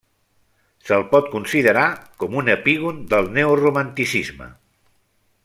Se'l pot considerar com un epígon del neoromanticisme.